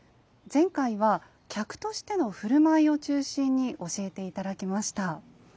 前回は客としての振る舞いを中心に教えて頂きました。